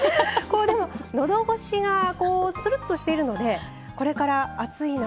のどごしがするっとしているのでこれから暑い夏